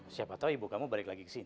siapa tau ibu kamu balik lagi kesini